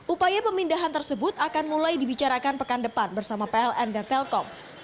upaya pemindahan tersebut akan mulai dibicarakan pekan depan bersama pln dan telkom